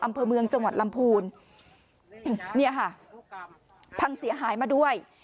อำเภอเมืองจังหวัดลำพูนเนี่ยค่ะพังเสียหายมาด้วย